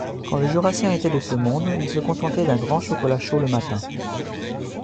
Quand le Jurassien était de ce monde, il se contentait d’un grand chocolat chaud le matin